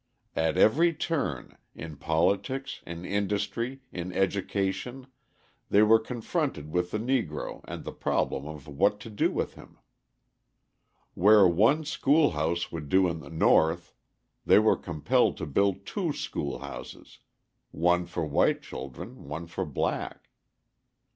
At every turn, in politics, in industry, in education, they were confronted with the Negro and the problem of what to do with him. Where one school house would do in the North, they were compelled to build two school houses, one for white children, one for black.